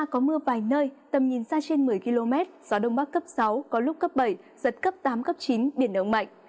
có mưa vài nơi tầm nhìn xa trên một mươi km gió đông bắc cấp sáu có lúc cấp bảy giật cấp tám cấp chín biển động mạnh